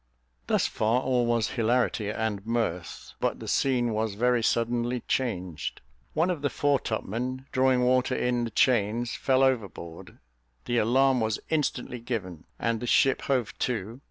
Thus far all was hilarity and mirth; but the scene was very suddenly changed. One of the foretopmen, drawing water in the chains, fell overboard; the alarm was instantly given, and the ship hove to.